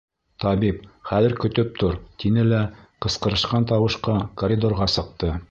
Табип, хәҙер, көтөп тор, тине лә ҡысҡырышҡан тауышҡа коридорға сыҡты.